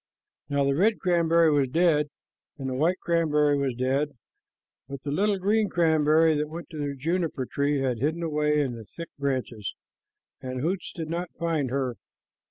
Now the red cranberry was dead, and the white cranberry was dead, but the little green cranberry that went to the juniper tree had hidden away in the thick branches, and Hoots did not find her.